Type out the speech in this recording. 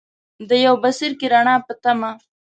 د یو بڅرکي ، رڼا پۀ تمه